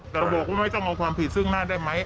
แต่บอกว่าไม่ต้องเอาความผิดซึ่งหน้าได้ไหม